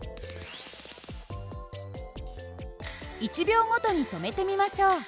１秒ごとに止めてみましょう。